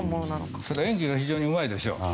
それから演技が非常にうまいんですよ。